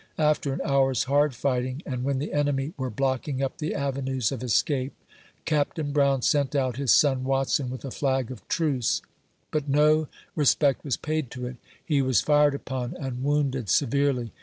After an hour's hard fighting, and when the enemy were blocking up the avenues of escape, Capt. Brown sent out his son Watson with a flag of truce, but no respect was paid to it ; he was fired upon, and wounded severely.